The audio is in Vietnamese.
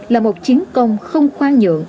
là một chiến công không khoan nhượng